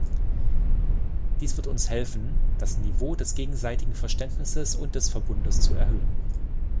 Dies wird uns helfen, das Niveau des gegenseitigen Verständnisses und des Verbundes zu erhöhen.